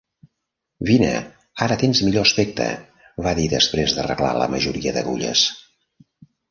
"Vine, ara tens millor aspecte!" va dir després d'arreglar la majoria d'agulles.